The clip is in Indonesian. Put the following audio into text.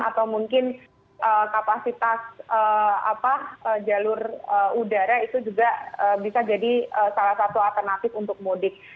atau mungkin kapasitas jalur udara itu juga bisa jadi salah satu alternatif untuk mudik